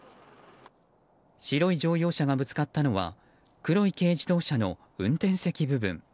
白い乗用車がぶつかったのは黒い軽自動車の運転席部分。